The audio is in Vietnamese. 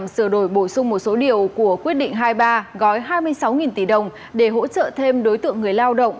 sửa đổi bổ sung một số điều của quyết định hai mươi ba gói hai mươi sáu tỷ đồng để hỗ trợ thêm đối tượng người lao động